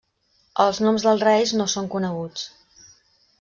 Els noms dels reis no són coneguts.